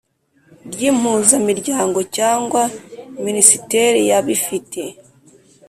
Ry impuzamiryango cyangwa minisiteriya bifite